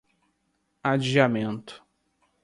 adiamento